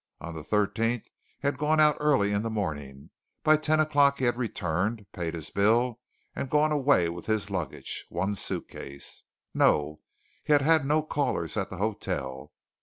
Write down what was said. On the 13th he had gone out early in the morning; by ten o'clock he had returned, paid his bill, and gone away with his luggage one suit case. No he had had no callers at the hotel.